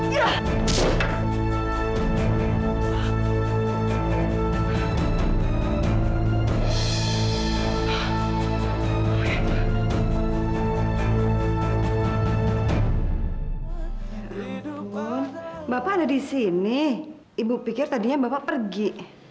ya bapak ada di sini ibu pikir tadinya bapak pergi